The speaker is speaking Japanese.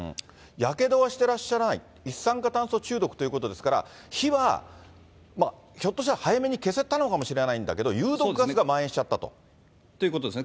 やけどはしてらっしゃらない、一酸化炭素中毒ということですから、火はひょっとしたら早めに消せたのかもしれないんだけど、ということですね。